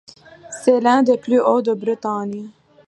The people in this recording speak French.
C'est l'un des plus hauts de Bretagne.